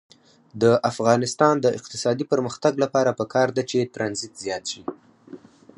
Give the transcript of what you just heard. د افغانستان د اقتصادي پرمختګ لپاره پکار ده چې ترانزیت زیات شي.